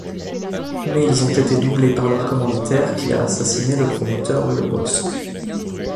Mais ils ont été doublés par leur commanditaire, qui a assassiné le promoteur Lebosque.